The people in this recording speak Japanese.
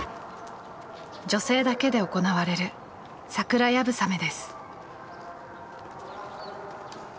女性だけで行われる桜流鏑馬です。